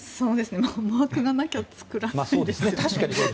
思惑がなきゃ作らないですよね。